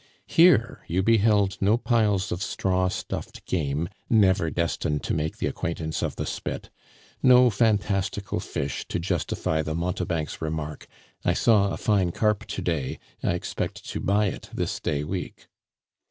Here you beheld no piles of straw stuffed game never destined to make the acquaintance of the spit, no fantastical fish to justify the mountebank's remark, "I saw a fine carp to day; I expect to buy it this day week."